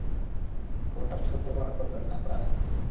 ক্ষমতার সদ্ব্যবহার করবেন না, স্যার।